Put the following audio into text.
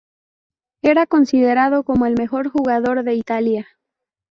Era considerado como el mejor jugador de Italia.